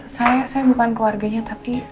saya bukan keluarganya tapi